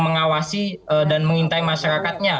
mengawasi dan mengintai masyarakatnya